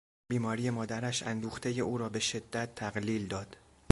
بیماری مادرش اندوختهی او را بشدت تقلیل داد.